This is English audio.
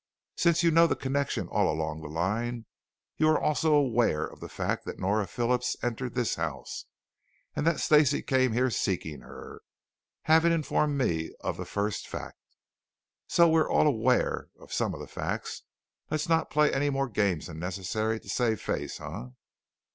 Since you know the connection all along the line, you are also aware of the fact that Nora Phillips entered this house, and that Stacey came here seeking her, having informed me of the first fact. So since we're all aware of some of the facts, let's not play any more games than necessary to save face, huh?"